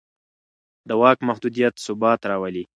د واک محدودیت ثبات راولي